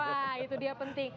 wah itu dia penting